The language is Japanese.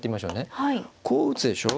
こう打つでしょ。